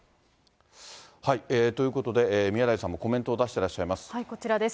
ということで、宮台さんもコメントを出してらっしゃいます。